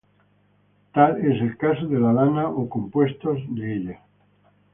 Tal es el caso de la lana o compuestos de ella.